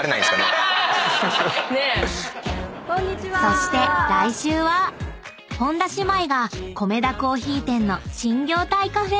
［そして来週は本田姉妹がコメダ珈琲店の新業態カフェへ］